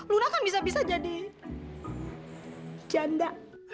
luna kan bisa bisa jadi janda